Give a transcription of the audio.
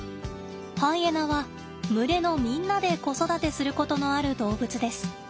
ハイエナは群れのみんなで子育てすることのある動物です。